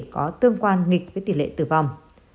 có tương quan nghịch với tỷ lệ tử vong